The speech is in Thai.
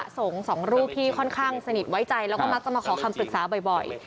สงฆ์สองรูปที่ค่อนข้างสนิทไว้ใจแล้วก็มักจะมาขอคำปรึกษาบ่อย